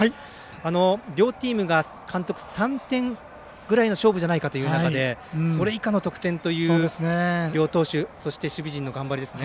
両チームが監督、３点ぐらいの勝負じゃないかというところでそれ以下の得点という両投手そして守備陣の頑張りですね。